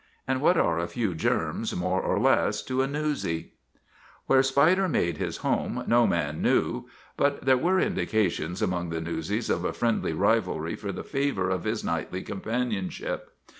And what are a few germs, more or less, to a newsy ? Where Spider made his home no man knew, but there were indications among the newsies of a friendly rivalry for the favor of his nightly com panionship.